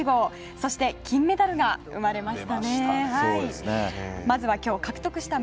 そして、金メダルが生まれましたね。